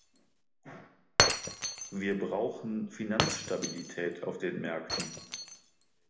Wir brauchen Finanzstabilität auf den Märkten.